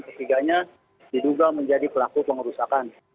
ketiganya diduga menjadi pelaku pengerusakan